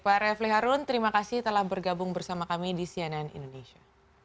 pak refli harun terima kasih telah bergabung bersama kami di cnn indonesia